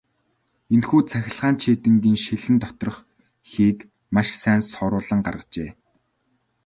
Энэхүү цахилгаан чийдэнгийн шилэн доторх хийг маш сайн соруулан гаргажээ.